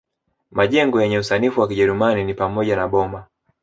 Majengo yenye usanifu wa Kijerumani ni pamoja na boma